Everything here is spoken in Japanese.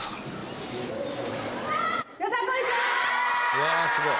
うわあすごい！